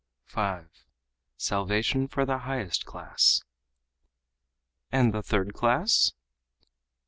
5. Salvation for the Highest Class "And the third class?"